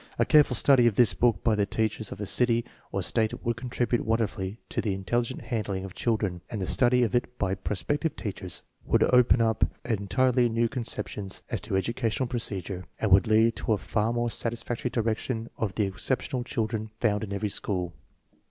A careful study of this book by the teachers of a city or State would contribute wonderfully to the intelligent han dling of children, and the study of it by prospective teachers would open up entirely new conceptions as to educational procedure, and would lead to a far more satisfactory direction of the exceptional children found in every school.